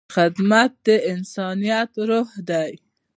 خدمت د انسانیت روح دی.